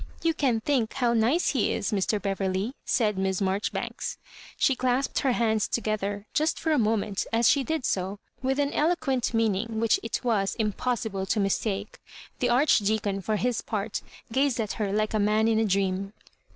" You can't think how nice he is, Mr. Beverley," said Miss Marjoribanks. She clasped her hands together, just for a moment, as she did so, with an eloquent meaning which it [ was impossible to mistake. The Archdeacon, for his part, gazed ^t her like a man in a dream.